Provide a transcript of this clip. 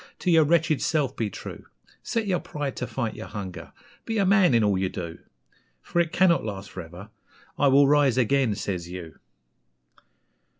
To your wretched self be true; Set your pride to fight your hunger! Be a MAN in all you do! For it cannot last for ever 'I will rise again!' says you.